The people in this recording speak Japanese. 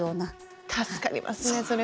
助かりますねそれは。